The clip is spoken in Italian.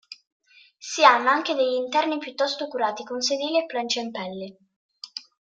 Si hanno anche degli interni piuttosto curati, con sedili e plancia in pelle.